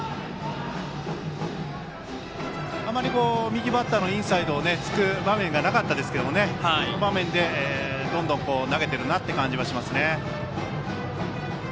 あまり右バッターのインサイドをつく場面がなかったですけどもこの場面でどんどん投げているなという感じがします。